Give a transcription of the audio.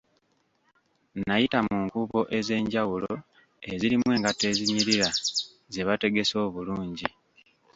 Nayita mu nkuubo ezenjawulo ezirimu engatto ezinyirira zebategese obulungi.